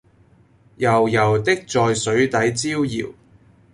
油油的在水底招搖